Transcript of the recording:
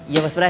iya bos brai